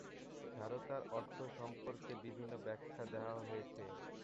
ঝারতার অর্থ সম্পর্কে বিভিন্ন ব্যাখ্যা দেওয়া হয়েছে।